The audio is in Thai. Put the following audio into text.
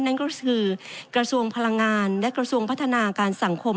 นั่นก็คือกระทรวงพลังงานและกระทรวงพัฒนาการสังคม